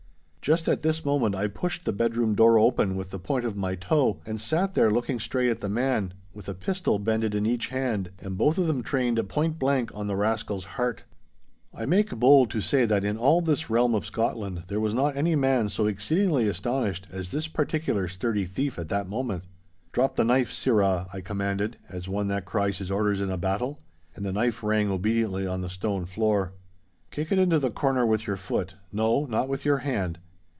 Just at this moment I pushed the bedroom door open with the point of my toe, and sat there looking straight at the man, with a pistol bended in each hand, and both of them trained point blank on the rascal's heart. I make bold to say that in all this realm of Scotland there was not any man so exceedingly astonished as this particular sturdy thief at that moment. 'Drop the knife, sirrah!' I commanded, as one that cries his orders in a battle. And the knife rang obediently on the stone floor. 'Kick it into the corner with your foot— No, not with your hand.